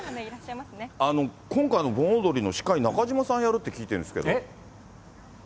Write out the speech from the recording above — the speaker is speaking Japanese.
今回、盆踊りの司会、中島さんやるって聞いてるんですけど。